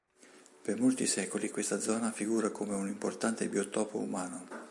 Per molti secoli questa zona figura come un importante biotopo umano.